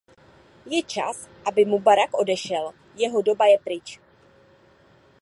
Je čas, aby Mubarak odešel; jeho doba je pryč.